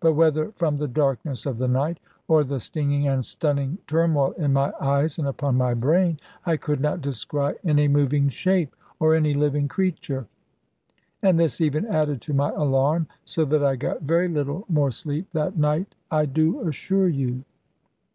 But whether from the darkness of the night, or the stinging and stunning turmoil in my eyes and upon my brain, I could not descry any moving shape, or any living creature. And this even added to my alarm, so that I got very little more sleep that night, I do assure you.